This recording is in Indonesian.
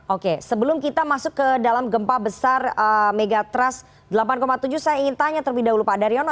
oke sebelum kita masuk ke dalam gempa besar megatrust delapan tujuh saya ingin tanya terlebih dahulu pak daryono